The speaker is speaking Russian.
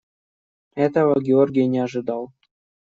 Этого Георгий не ожидал.